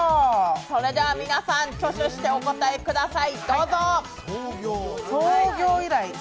それでは皆さん、挙手してお答えください。